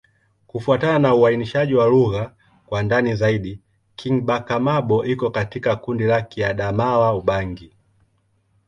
Kufuatana na uainishaji wa lugha kwa ndani zaidi, Kingbaka-Ma'bo iko katika kundi la Kiadamawa-Ubangi.